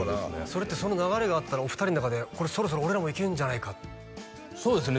それってその流れがあったらお二人の中でこれそろそろ俺らもいけるんじゃないかそうですね